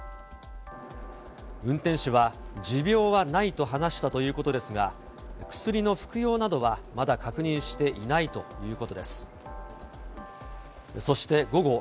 運転手は、持病はないと話したということですが、薬の服用などはまだ確認していないということです。